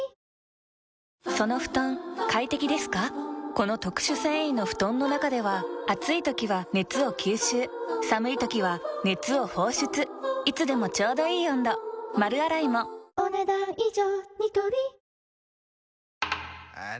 この特殊繊維の布団の中では暑い時は熱を吸収寒い時は熱を放出いつでもちょうどいい温度丸洗いもお、ねだん以上。